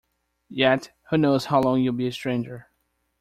Yet, who knows how long you’ll be a stranger?